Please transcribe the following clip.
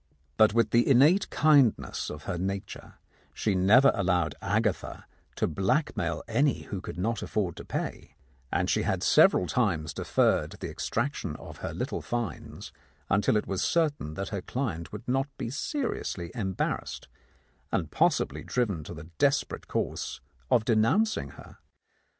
But with the innate kindliness of her nature, she never allowed Agatha to blackmail any who could not afford to pay, and she had several times deferred the exaction of her little fines until it was certain that her client would not be seriously embarrassed and possibly driven to the desperate course of denounc ing her.